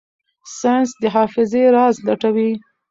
ساینس د حافظې راز لټوي.